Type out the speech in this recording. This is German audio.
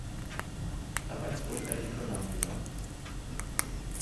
Dabei flog er die Columbia.